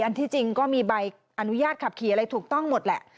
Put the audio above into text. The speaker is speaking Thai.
ที่จริงก็มีใบอนุญาตขับขี่อะไรถูกต้องหมดแหละ